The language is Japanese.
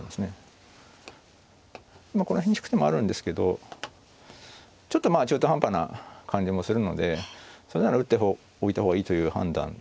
この辺に引く手もあるんですけどちょっとまあ中途半端な感じもするのでそれなら打っておいた方がいいという判断ですかね。